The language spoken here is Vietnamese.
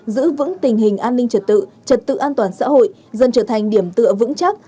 giữ vững tình hình an ninh trật tự trật tự an toàn xã hội dần trở thành điểm tựa vững chắc